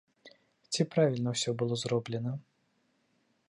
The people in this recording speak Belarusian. Ці правільна ўсё было зроблена?